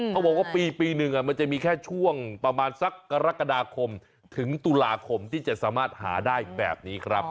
เขาบอกว่าปีหนึ่งมันจะมีแค่ช่วงประมาณสักกรกฎาคมถึงตุลาคมที่จะสามารถหาได้แบบนี้ครับ